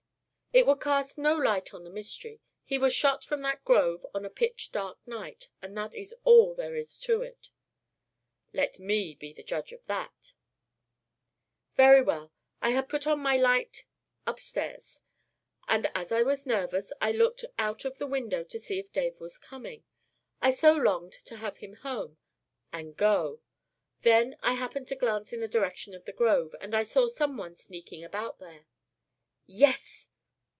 "It would cast no light on the mystery. He was shot from that grove on a pitch dark night, and that is all there is to it." "Let me be the judge of that." "Very well. I had put out my light upstairs and, as I was nervous, I looked out of the window to see if Dave was coming. I so longed to have him come and go! Then I happened to glance in the direction of the grove, and I saw some one sneaking about there " "Yes!"